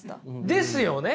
ですよね！